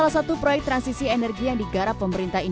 salah satu proyek transisi energi yang digarap pemerintah